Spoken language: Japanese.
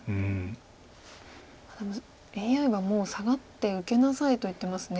でもＡＩはもうサガって受けなさいと言ってますね。